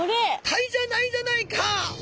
タイじゃないじゃないか。